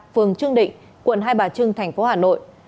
phường trương định quận hai bà trưng thành phố hà nội